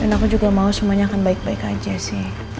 dan aku juga mau semuanya akan baik baik aja sih